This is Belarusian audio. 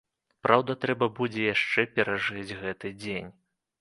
Праўда, трэба будзе яшчэ перажыць гэты дзень.